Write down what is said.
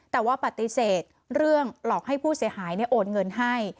แต่ว่าปฏิเสธเรื่องหลอกให้ผู้เสียหายโอนเงินให้